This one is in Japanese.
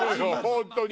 本当に。